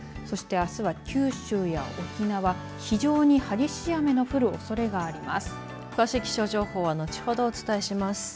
そして、あすは九州や沖縄非常に激しい雨の降るおそれがあります。